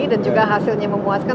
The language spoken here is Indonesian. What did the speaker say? dan juga hasilnya memuaskan